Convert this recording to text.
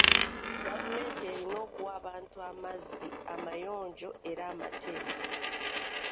Gavumenti erina okuwa abantu amazzi amayonjo era amateefu.